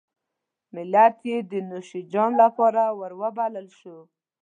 ملت یې د نوشیجان لپاره راوبلل شو.